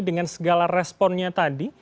dengan segala responnya tadi